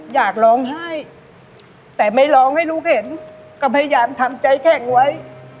อยากร้องไห้แต่ไม่ร้องให้ลูกเห็นก็พยายามทำใจแข่งไว้